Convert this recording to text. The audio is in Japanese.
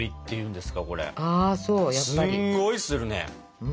すんごいするね。